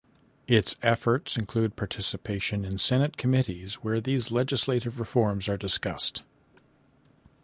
Its efforts include participation in Senate committees where these legislative reforms are discussed.